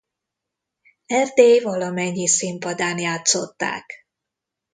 Erdély valamennyi színpadán játszották.